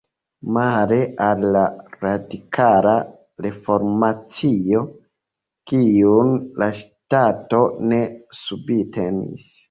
Male al la Radikala Reformacio, kiun la ŝtato ne subtenis.